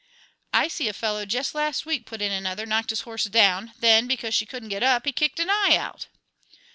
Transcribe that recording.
"I see a fellow jest last week," put in another, "knock his horse down; then, because she couldn't get up, he kicked an eye out."